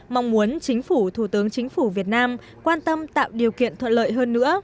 mong muốn chính phủ thủ tướng chính phủ việt nam quan tâm tạo điều kiện thuận lợi hơn nữa